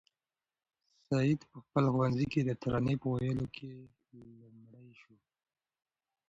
سعید په خپل ښوونځي کې د ترانې په ویلو کې لومړی شو.